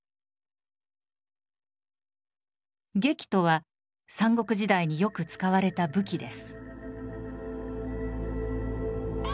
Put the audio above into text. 戟とは三国時代によく使われた武器です。